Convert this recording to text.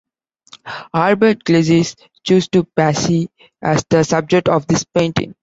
Albert Gleizes chose to Passy as the subject of this painting.